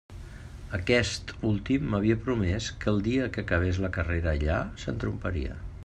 Aquest últim m'havia promès que el dia que acabés la carrera allà s'entromparia.